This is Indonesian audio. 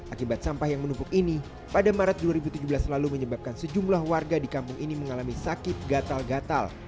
akibat sampah yang menumpuk ini pada maret dua ribu tujuh belas lalu menyebabkan sejumlah warga di kampung ini mengalami sakit gatal gatal